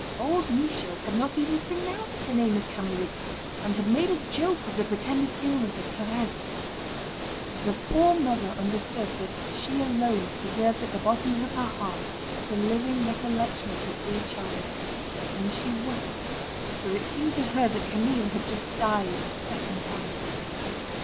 Old Michaud had not even pronounced the name of Camille, and had made a joke of the pretended illness of Thérèse. The poor mother understood that she alone preserved at the bottom of her heart, the living recollection of her dear child, and she wept, for it seemed to her that Camille had just died a second time.